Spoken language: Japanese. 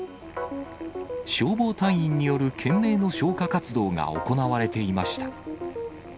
消防隊員による懸命の消火活動が行われていました。